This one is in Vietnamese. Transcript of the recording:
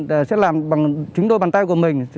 để làm chính đôi bàn tay của mình